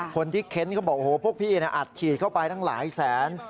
เค้นเขาบอกโอ้โหพวกพี่อัดฉีดเข้าไปทั้งหลายแสน